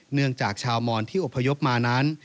เนื่องจากชาวมอนที่อพยพมานั้น